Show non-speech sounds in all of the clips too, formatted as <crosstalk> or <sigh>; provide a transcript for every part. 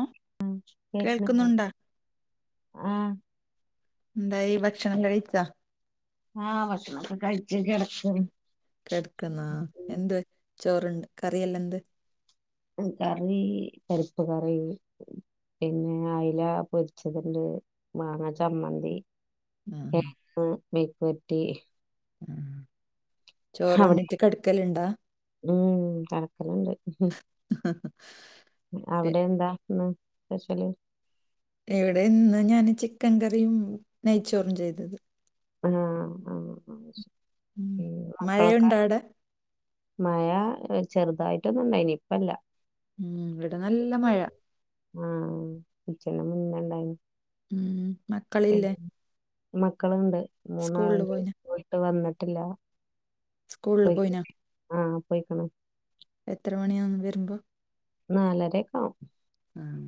ഓ ഉം കേക്ക്ണ്ട് കേൾക്കുന്നുണ്ടാ ആഹ് എന്തായീ ഭക്ഷണം കഴിച്ചാ ആഹ് ഭക്ഷണൊക്കെ കഴിച്ച് കിടക്കാണ് കിടക്കുന്നാ എന്ത് ചോറുണ്ട് കറിയെല്ലന്ത് കറീ പരിപ്പ് കറീ പിന്നെ അയല പൊരിച്ചതുണ്ട് മാങ്ങ ചമ്മന്തി ആഹ് കേങ്ങ് മെഴുക്കുപുരട്ടി ഉം അവിടെ ചോറുണ്ണിട്ട് കടക്കലുണ്ടാ ഉം കലക്കല്ണ്ട് അവിടെ എന്താ ഇന്ന് സ്പെഷ്യല് ഇവിടെ ഇന്ന് ഞാന് ചിക്കൻ കറിയും നയിച്ചോറും ചെയ്തത് ആഹ് ആഹ് ആഹ് ഉം ഏ മക്കളൊക്കെ മഴയുണ്ട അവിടെ മഴ ചെറുതായിട്ടൊന്നുണ്ടായിനി ഇപ്പല്ല ഉം ഇവിടെ നല്ല മഴ ആഹ് ഉച്ചൻ്റെ മുന്നണ്ടായിന് ഉം മക്കളില്ലേ മക്കളുണ്ട് സ്കൂളിൽ മൂന്നാള്ണ്ട് പോയിന പോയിട്ട് വന്നിട്ടില്ല സ്കൂള് പോയിന ആ പെയിക്കുണു എത്ര മണിയാവും വരുമ്പോ നാലരക്കാവും ഉം.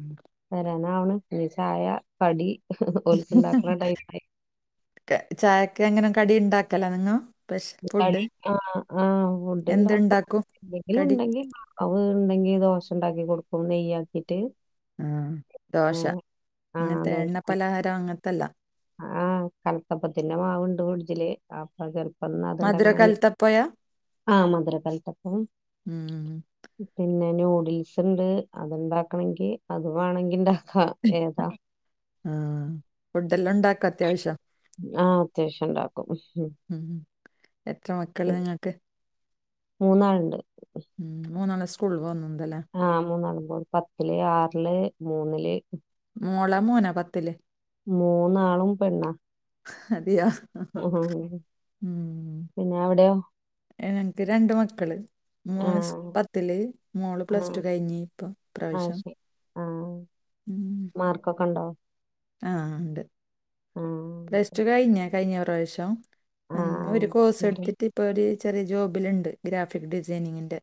വരാനാവണ് ഇഞ്ഞി ചായ കടി ഓൽക്ക്ണ്ടാക്കണ ടൈമായി ക്ക് ചായക്കെങ്ങനെ കടിണ്ടാക്കലാ എന്നും കളി ആഹ് ആഹ് ഫുഡ്ണ്ടാകും എന്തുണ്ടാക്കും കടി എന്തെങ്കിലുണ്ടെങ്കിണ്ടാ അവു ഉണ്ടെങ്കി ദോശണ്ടാക്കി കൊടുക്കും നെയ്യാക്കിട്ട് ആഹ് ദോശ ഏഹ് ആഹ് ഇങ്ങത്തെ എണ്ണ ദോശ പലഹാരം അങ്ങത്തല്ല ആഹ് കലത്തപ്പത്തിന്നെ മാവുണ്ട് ഫ്രിഡ്ജില് അപ്പ ചെല പ്പന്നാ മധുര അത്ണ്ടാകാന്ന ഞ്ഞി കലത്തപ്പയാ ആഹ് മധുര കലത്തപ്പം ഉം പിന്നെ ന്യൂഡിൽസ്ണ്ട് അത്ണ്ടാക്കണങ്കി അത് വാണെങ്കിണ്ട അ ആഹ് ഫുഡല്ലണ്ടാക്കൊ അത്യാവശ്യം ആഹ് അത്യാവശ്യണ്ടാക്കും ഉം എത്ര മക്കള് നിങ്ങക്ക് മൂന്നാള്ണ്ട് ഉം മൂന്നെണ്ണം സ്കൂള് പോകുന്നുണ്ടല്ലേ ആഹ് മൂന്നാളും പോ പത്തില് ആറില് മൂന്നില് മോള മോന പത്തില് മൂന്നാളും പെണ്ണാ അതെയാ ഉം പിന്നെ അവിടെയോ എനക്ക് രണ്ട് മക്കള് മോൻസ് ആഹ് പത്തില് മോള് പ്ലസ്ടു ആഹ് കഴിഞ്ഞ് ഇപ്പൊ ആഹ് ഇപ്പ്രാവശ്യം ഉം മാർക്കൊക്കെണ്ടോ ആഹ് ണ്ട് ആഹ് പ്ലസ്ടു കഴിഞ്ഞ കഴിഞ്ഞ പ്രാവശ്യം അന്ന് ആഹ് ഒരു കോസ് എന്നിട്ട് എടുത്തിട്ട് ഇപ്പൊ ഒരു ചെറിയ ജോബിലുണ്ട് ഗ്രാഫിക് ഡിസൈനിങ്ങിന്റെ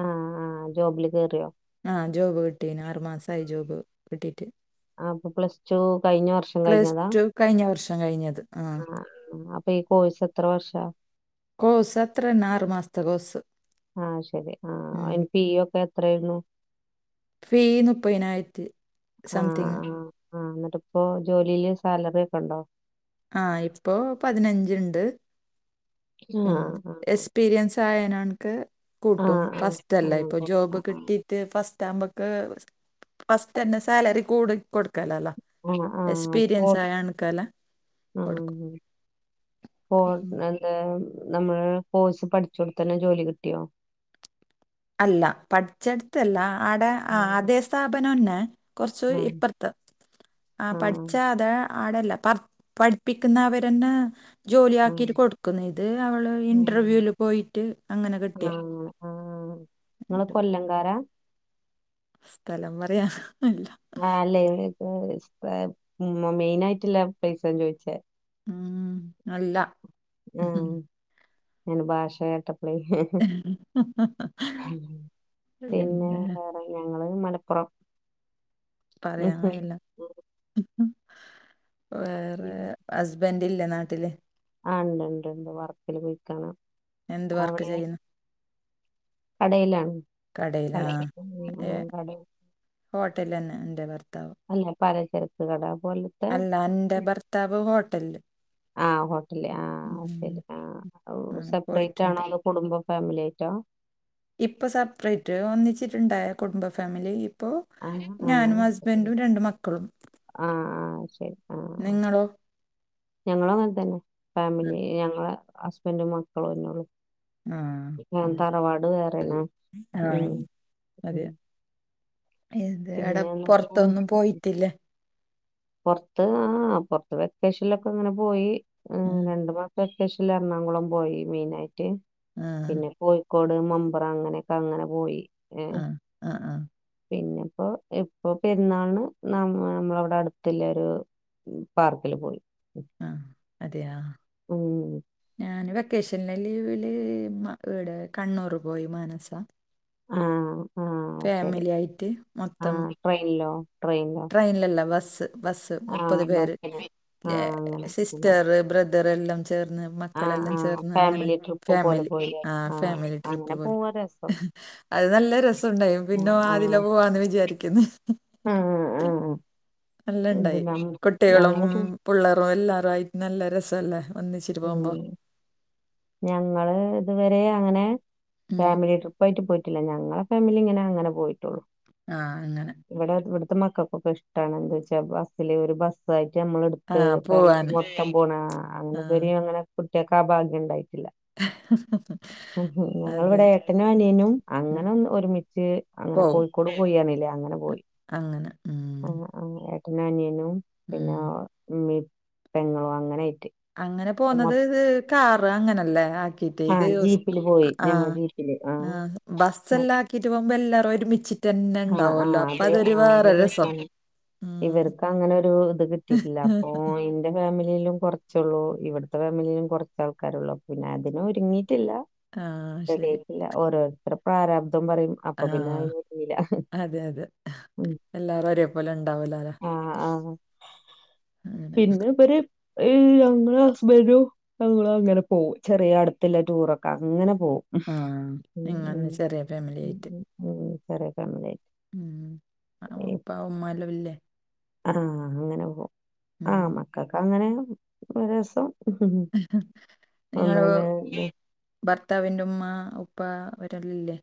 ആഹ് ആഹ് ജോബില് കേറിയോ ആഹ് ജോബ് കിട്ടീന് ആറു മാസായി ജോബ് കിട്ടീട്ട് ആഹ് പ്പൊ പ്ലസ്ടു കഴിഞ്ഞ വർഷ പ്ലസ്ടു കഴിഞ്ഞ വർഷം കഴിഞ്ഞത് ആഹ് അപ്പൊ ഈ കോഴ്സത്ര വർഷാ കോഴ്സ് അത്രന്ന ആറുമാസത്തെ കോഴ്സ് ആഹ് ശരി ആഹ് അന് ഫീ ഒക്കെ എത്രായിണു ഫീ മുപ്പതിനായിരത്തി ആഹ് സംതിങ്ങ് ആഹ് ആഹ് ന്നിട്ട് ഇപ്പോ ജോലിയില് സാലറിയൊക്കെണ്ടോ ആ ഇപ്പോ പതിനഞ്ച്ണ്ട് പി ആഹ് എക്സ്പീരിയൻസ് ആയന എക്ക് കൂട്ടും ആഹ് ഫസ്റ്റ് ആഹ് അല്ല ആഹ് ഇപ്പൊ ജോബ് കി ആഹ് കിട്ടീട്ട് ഫസ്റ്റ് ആമ്പോക്ക് ഫസ്റ്റന്നെ സാലറി കൂടി കൊടുക്കലല്ലോ ആ ആ പോ എക്സ്പീരിയൻസ് ആയ ആണ്ക്കാല ആ കൊടുക്കും പോ പിന്നെ എന്താ നമ്മള് കോഴ്സ് പഠിചോടുത്തന്നെ ജോലി കിട്ടിയോ അല്ല പഠിച്ചെടുത്തല്ല ആടെ ആ ആതേ സ്ഥാപനംന്നെ കുറച്ച് ആ ഇപ്പുറത്ത് ആ പഠിച്ച അതാ ആടല്ല പ പഠിപ്പിക്കുന്ന അവരെന്നെ ജോലി ആ ആക്കിട്ട് കൊടുക്കുന്നു ഇത് അവള് ഇന്റർവ്യൂൽ പോയിട്ട് അങ്ങനെ ആ കിട്ടിയ ആ ങ്ങള് ഉണ്ട് കൊല്ലം കാരാ സ്ഥലം പറയാനല്ല മേലെ <unintelligible> മെയിൻ ആയിട്ടുള്ള അപ്ഡേറ്റ്സാ ചോദിച്ചേ ഉം അല്ല ഉം ഞാൻ ഭാഷ കേട്ടപ്പളെ ഉം പിന്നെ വേറെ ഞങ്ങള് മലപ്പുറം പറയാന് ഉം. കയില്ല വേറെ ഹസ്ബന്റ് ഇല്ലേ നാട്ടില് ആഹ് ണ്ട് ണ്ട് ണ്ട് വർക്കിൽ പോയിക്കാൻ എന്ത് വർക്ക് ചെയ്യുന്ന് കടയിലാണ് <unintelligible> ഉം കട ഹോട്ടൽന്ന ന്റെ ഭർത്താവ് അല്ല പലചരക്ക് കട പോലെ അല്ല എന്റെ ഭർത്താവ് ഹോട്ടൽ ആഹ് ഹോട്ടല് ആ ശരി ആഓ അങ്ങനെ സപ്പറേറ്റ് ആണോ പോയിട്ടുണ്ട് അതോ കുടുംബ ഫാമിലി ആയിട്ടോ ഇപ്പൊ സെപ്പറേറ്റ് ഒന്നിച്ചിട്ടുണ്ടായ കുടുംബ ഫാമിലി ഇപ്പോ ആ ഞാനും ഹസ്ബൻറും രണ്ട് മക്കളും ആഹ് ആഹ് ശരി ആ നിങ്ങളോ ഞങ്ങളും അങ്ങനെ തന്നെ ആ ഫാമിലി ഞങ്ങള ഹസ്ബൻറും മക്കളും ന്നെ ഉള്ളൂ ആ, ഉം അതെ തറവാട് വേറെനാ ആ ഉം ഉം അത എടാ പിന്നെ എന്നിട്ട് പൊർത്തൊന്നും പോയിറ്റില്ല പൊറത്ത് ആ പൊറത്ത് വെക്കേഷനിലൊക്കെ ഇങ്ങനെ പോയി ഉം അ രണ്ടു മാസം വെക്കേഷനിൽ എറണാകുളം പോയി മെയിനായിട്ട് ഉം, പിന്നെ പോയി ക്കോട് മമ്പുറം അങ്ങനെയൊക്കെ അങ്ങനെ പോയി ഏ ഉം, ഉം, ഉം, പിന്നെപ്പോ ഇപ്പൊ പെരുന്നാള്ന് നമ്മ നമ്മളവിടെ അടു ത്ത്ല്ലാരു പാർക്കില് പോയി ആഹ് അതെയ ഉം ഞാൻ വെക്കേ കേഷനെ ലീവില് ഇടെ കണ്ണൂർ പോയി മാനസ ആഹ് ആഹ് ശരി ഫാമിലി ആയിട്ട് മൊത്തം ആഹ് ട്രെയിനിലോ ട്രെയിനിലോ ട്രെയ്നിലല്ല ബസ് ബസ് മുപ്പത് ആഹ് പേര് ബസ്സിന് ഹെ ആഹ് അങ്ങനെ അങ്ങനെ സിസ്റ്റർ ബ്രദർ ദർല്ലാം ചേർന്ന് ആഹ് മക്കളെല്ലാം ആഹ് ചേർന്ന് അങ്ങനെ ഫാമിലി ട്രിപ്പ് പോലെ ഫാമിലി പോയില്ലേ ആ ആഹ് ഫാമിലി ട്രിപ്പ് അങ്ങനെ പോയി പോവാ രസം അത് നല്ല രസംണ്ടായിനു പിന്നോ വാതില ആഹ് പോവാന്ന് വിചാരിക്കുന്നു ആഹ് ആഹ് അല്ല ഇത് ഇണ്ടായി നമ്മ കുട്ടികളും ഞങ്ങളത് പിള്ളേറും എല്ലാവരും ആയിട്ട് നല്ല രസല്ലേ ഒന്നിച്ചിട്ട് ഉം പോകുമ്പോ ഞങ്ങള് ഇതുവരെ അങ്ങനെ ഉം. ഫാമിലി ട്രിപ്പ് പോയിട്ടില്ല. ഞങ്ങളെ ഫാമിലി ഇങ്ങനെ അങ്ങന പോയിട്ടുള്ളു. ആഹ് അങ്ങനെ ഇവിടെ ഇവിടുത്തെ മക്കൾക്കൊക്കെ ഇഷ്ടാണ്. എന്താ വെച്ചാ ബസ്സില് ഒരു ബസ്സായിട്ട് നമ്മൾ എടു ആ ഫാമിലി പോവാന് മൊത്തം പോണ ആ അങ്ങനെ ഇത് വരെ അങ്ങന കുട്ടികക്കാ ഭാഗ്യം ഉണ്ടായിട്ടില്ല. ഉം അതെ ഞങ്ങിവിടെ ഏട്ടനും അനിയനും ആ, അങ്ങനെ ഒന്ന് ഒരുമിച്ച് അങ്ങനെ പോവും കോഴി ക്കൊട് പോയിയണില്ലേ അങ്ങനെ പോയി. അങ്ങനെ ഉം ആഹ് ആഹ് ഏട്ടനാനിയനും പിന്നെ ഉം ഉമ്മിപ്പെങ്ങളും അങ്ങനായിട്ട്. അങ്ങനെ പോന്നത് ഇത് കാറ് അങ്ങനല്ലേ ഇത് ആ ബസ് ജീപ്പില് പോയി ഞങ്ങൾ ആഹ് ജീപ്പില് ആ ആഹ് ബസ് മ എല്ലാക്കിട്ട് പോകുമ്പോ എല്ലാരും ഒരുമിച്ച് ഇത് തന്നെ ആ ആ ഉണ്ടാവുമല്ലോ അപ്പൊ അത് അതൊരു ആ അത് വേറെ രസം. രസാണ് ഉം ഇവർക്ക് അങ്ങനെ ഒരു ഇത് കിട്ടിയിട്ടില്ല അപ്പൊ എ ന്റെ ഫാമിലിയിലും കുറച്ചുള്ളൂ ഇവിടത്തെ ഫാമിലിയിലും കുറച്ച് ആൾക്കാരുള്ളു പിന്നെ അതിന് ഒരുങ്ങിയിട്ടില്ല. ആഹ് ശെരി ഇല്ല ഓരോരുത്തര് പ്രാരാബ്ദം പറയും ആ അപ്പൊ പിന്നെ അതി <unintelligible> എല്ലാം ഒരേപോലെ ഉണ്ടാവൂലല്ലോല്ലെ ആ ആ ഉം പിന്നെ ഇവര് ഞങ്ങളെ ഹസ്ബന്റും ഇപ്പ ഞങ്ങള് അങ്ങനെ പോവും ചെറിയ അടുത്തില്ല ടൂറൊക്കെ അങ്ങനെ പോവും. ആ ഉം ഇങ്ങനെ ചെറിയ ഫാമിലി ഉം ആയിട്ട് ഉം ഉം <unintelligible> കാണുല്യേ ഉം ആ ഉപ്പ ഉമ്മ എല്ലാം ഇല്ലേ ആഹ് അങ്ങനെ പോവും ആ ഉം മക്കക്ക് അങ്ങനെ രസം നിങ്ങള് ഒന്നങ്ങനെ ഭർത്താവിന്റെ ഉമ്മ, ഉപ്പ അവരെല്ലാം ഇല്ലെ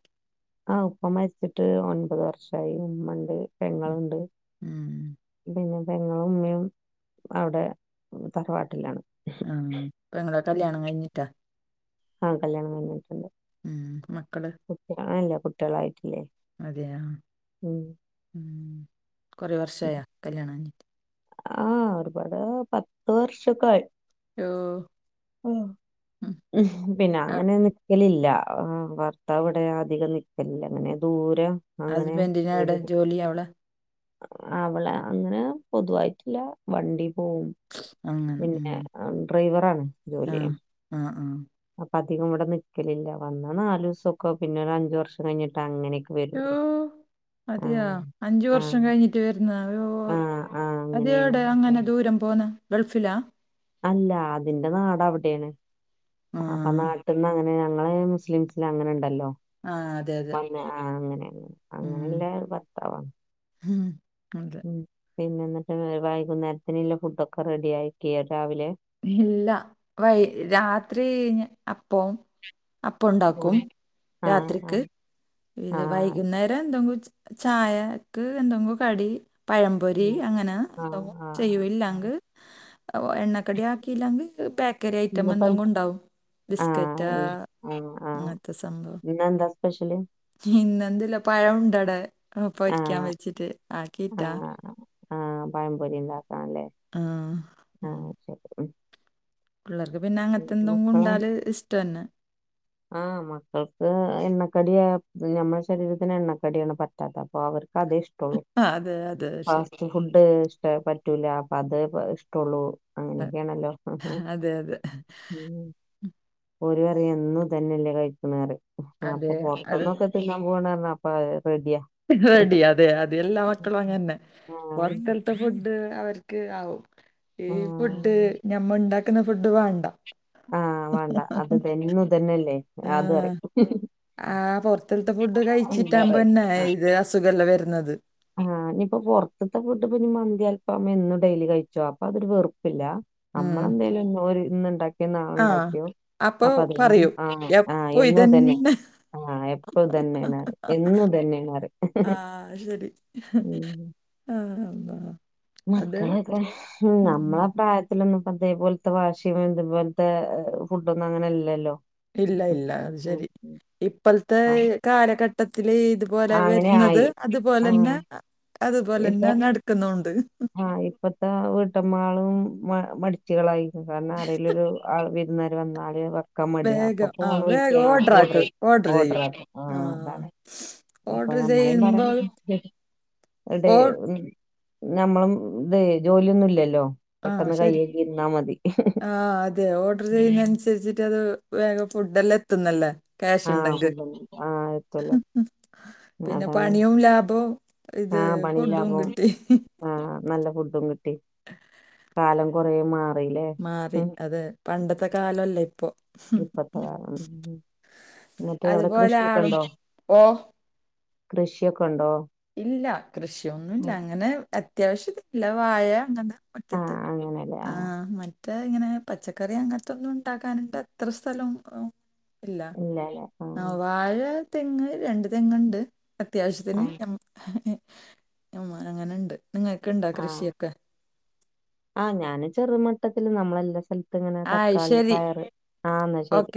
ആ ഉപ്പ മരിച്ചിട്ട് ഒൻപത് വർഷവായി ഉമ്മണ്ട്, പെങ്ങളുണ്ട്. ഉം പിന്നെ പെങ്ങളും ഉമ്മയും അവിടെ തറവാട്ടിലാണ്. ആ പെങ്ങളെ കല്യാണം കഴിഞ്ഞിട്ടാ ആഹ് കല്യാണം കഴിഞ്ഞിട്ടുള്ള് ഉം മക്കള് കുട്ടികള് ആയില്ല. കുട്ടികളായിട്ടില്ലേ അതെയാ ഉം ഉം കൊറേ വർഷയാ കല്യാണം കഴിഞ്ഞിട്ട് ആ ഒരുപാട് പത്ത് വർഷൊക്കെ ആയി. ഓ <unintelligible> പിന്നെ ആഹ് അങ്ങനെ നിക്കലില്ല. ഭർത്താവ് ഇവിടെ അധികം നി എല്ലങ്ങനെ ദൂരം അങ്ങനെ വീട് <unintelligible> ഇല്ല്യ അവള്. അവള് അങ്ങനെ പൊതുവായിട്ടില്ല. വണ്ടി പോവും. അങ്ങനെ ഉം പിന്നെ ഡ്രൈവറാണ് ആഹ് ജോലിയും. ആഹ് ആഹ് അപ്പൊ അധികം ഇവിടെ നിൽക്കലില്ല. വന്ന നാല് ദിവസം ഒക്കെ. പിന്നെ ഒരു അഞ്ചു വർഷം കഴിഞ്ഞിട്ട് അങ്ങനെയൊക്കെ. യോ വരുള്ളൂ അതെയാ. ആഹ് അഞ്ചു വർഷം ആഹ് കഴിഞ്ഞിട്ട് വരുന്ന യോ ആഹ് ആഹ് അങ്ങനെയാണ് അതെവിടെയാ അങ്ങനെ ദൂരം പോന്ന. ഗൾഫിലാ. അല്ല, അതിന്റെ നാട് അവിടെയാണ്. അപ്പൊ ആഹ് നാട്ടിന്ന് അങ്ങനെ ഞങ്ങളേ മുസ്ലീംസ് <unintelligible> അങ്ങനെ ഉണ്ടല്ലോ. ആഹ് അതെ അതെ അയിന് ആ അങ്ങനെന്നെ അങ്ങനെല്ല ഭർത്താവ്. ഹം. അതെ. ഉം പിന്നെ എന്നിട്ട് വേ വൈകുന്നേരത്തിന്ള്ള ഫുഡൊക്കെ റെഡി ആക്കിയോ രാവിലെ ഇല്ല വൈ രാത്രി ഞ അപ്പം അപ്പ ഉണ്ടാക്കും ആഹ് രാത്രിക്ക് ആഹ് ഇത് വൈ ആഹ് കുന്നേരം എന്തെങ്കും ച് ചായക്ക് എന്തെങ്കും കടി പഴംപൊരി അങ്ങനെ ആഹ് എന്തവും ചെയ്യും ആഹ് ആഹ് ഇല്ലങ്കി എണ്ണ കടിയാക്കില്ലെങ്കി ബേ <unintelligible> ക്കറി ഐറ്റം ഇന്നിപ്പോ എന്തെങ്കും ഉണ്ടാവും ബിസ്കറ്റാ ആഹ് ആഹ് ആഹ് അങ്ങനത്തെ സംഭവം. ഇന്നെന്താ സ്പെഷല് ഇന്നെന്തുല്ല പഴം ഉണ്ടവടെ പൊരിക്കാൻ ആഹ് വെച്ചിട്ട് ആക്കിയിട്ടാ ആഹ് അ ആഹ് പഴംപൊരി ഇണ്ടാക്കാംല്ലേ ആ ഉം. ആഹ് ശരി ഉം പിള്ളേർക്ക് പിന്നെ അങ്ങനത്തെ മക്കളെ എന്തെങ്കുണ്ടാല് ഇഷ്ടന്നെ ആഹ് മക്കൾക്ക് എണ്ണക്കടിയാ ഞമ്മടെ ശരീരത്തിന് എണ്ണക്കടിയാണ് പറ്റാത്തെ അപ്പൊ അവർക്ക് അതെ ഇഷ് ആഹ് അതെ അതെ അശരി ഫുഡ് ഇഷ്ട പറ്റൂല അപ്പ അത് പ ഇഷ്ടള്ളു അ- അങ്ങനെയൊക്കെയാണല്ലോ അതെ അതെ ഉം ഓര് പറയും എന്നും ഇതന്നല്ലേ കഴിക്കുന്നെറയും അതെ അപ്പൊ അത് പൊറത്തുന്നൊക്കെ തിന്നാൻ പോണറഞ്ഞ അപ്പ റെഡിയാ റെഡി അതെ അതെല്ലാ മക്കളും അങ്ങനെന്നെ ആഹ് പൊറത്തലത്തെ ഫുഡ് അവർക്ക് ആവും. ഈ ഫുഡ് ആഹ് ഞമ്മ ഇണ്ടാക്കുന്ന ഫുഡ് വാണ്ട വാണ്ട അത് തെന്നു ഇതന്നെല്ലേ ആഹ് അത്റയും ആ പൊറത്തിലത്തെ ഫുഡ് ഇല്ല കഴിച്ചിട്ടാമ്പോന്നെ പറയും ആ ഇത് അസുഖല്ലേ വരുന്നത്. ആഹ് ഞിപ്പൊ പൊറത്തത്തെ ഫുഡ് ഇപ്പൊഞ്ഞി മന്തി അൽഫാമ് എന്നും ഡെയിലി കഴിച്ചോ അപ്പൊ അതൊരു വെറുപ്പില്ല ഉം നമ്മളെന്തേലും ന്ന് ഒര് ഇന്ന് ഇണ്ടാക്കിയോ ആഹ് നാളെണ്ടാക്കിയോ അപ്പൊ അപ്പ അത് എൻ പറയും ആ ആഹ് എപ്പോ എന്നും ഇതന്നെ ആഹ് എ ഇതന്നെന്നറയും എന്നും ഇതന്നെണറയും ആഹ് ശരി ആ അള്ളാ അത് മക്കളൊക്കെ ഹും ഉം. നമ്മള പ്രായ യത്തിലൊന്നും പ്പഅതേപോലത്തെ വാശിം ഇതുപോലത്തെ ഫുഡൊന്നും അങ്ങനെല്ലല്ലോ. ഇല്ല ഇല്ല അത് ശരി ഇപ്പോളത്തെ ആ കാലഘട്ടത്തില് ഇത് പോലെ ആ, അങ്ങനെ വരുന്നത് ആയി ആ അതുപോലെന്നെ അ ഇപ്പൊ അതുപോലെന്നെ നടക്കുന്നുണ്ട് ആഹ് ഇപ്പത്തെ വീട്ടമ്മാളും മടിച്ചികളായി കാരണം ആരെലൊരു ആള് വി രുന്നാര് വന്നാല് വ ക്കമട്യാ അപ്പൊ വേഗം ആ ഫോൺ വേഗം വിളിക്ക്യാ ആഹ് ഓർഡർ ആക്ക് ഓഡറിയ്യും ഓർഡർ ചെയ്യും ആക്കാ ആ ആഹ് അതാണ് അപ്പൊ ഓർഡർ നമ്മളേയും ചെയ്യുമ്പോൾ പറയാ <unintelligible> ഇതേ ഓ ഉം ഞമ്മളും ഇതേ ജോലിയൊന്നുല്ലല്ലോ. ആഹ് ശരി ആ അതെ ഓർഡർ ചെയ്യുന്നനുസരിച്ചിട്ട് അത് വേഗം ഫുഡ് എല്ലാം എത്തുന്നല്ലോ. ക്യാഷ് ആഹ് ഇണ്ടെങ്കി ഫുഡൊന്നും ആഹ് എത്തുല്ലോ പിന്നെ അതാണ് പണീം ലാഭം ഇത് ആഹ് പണി ഫുഡും ലാഭം കിട്ടി ആഹ് നല്ല ഫുഡും കിട്ടി കാലം കൊറെ മാ മാറി അതെ പണ്ടത്തെ കാലല്ല ഇപ്പൊ ഇപ്പത്തെ കാലം ഉം ഹും ന്നിട്ട് അവടെ അതുപോലെ കൃഷിയൊക്കെ ആളും ഇണ്ടോ ഓ കൃഷിയൊക്കെ ഉണ്ടോ ഇല്ല കൃഷി ഒന്നുല്ല ഉം അങ്ങനെ അത്യാവശ്യത്തി ല്ലവാഴ അങ്ങനെ മുറ്റത്ത് ആഹ് അങ്ങനെല്ലേ ആ ആഹ് മ റ്റേ ഇങ്ങനെ പച്ചക്കറി അങ്ങനത്തെ ഒന്നും ഇണ്ടാക്കാനിണ്ടത്ര സ്ഥലം ഇല്ല ഇല്ലല്ലേ ആ ആഹ് വാഴ തെങ്ങ് രണ്ട് തെങ്ങ്ണ്ട് അത്യാവശ്യത്തിന് ആഹ് ഞമ്മ ഞമ്മ അങ്ങനെണ്ട്. നിങ്ങൾക്ണ്ട ആഹ് കൃഷിയൊക്കെ? ആഹ് ഞാാന് ചെറുമട്ടത്തില് നമ്മളെല്ലാ സ്ഥലത്തങ്ങനെ ആ തക്കാളി ശരി പയറ്. ആ ന്നാ ഓക്കെ ശെരി